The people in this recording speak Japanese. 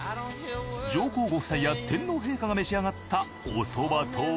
上皇ご夫妻や天皇陛下が召し上がったおそばとは？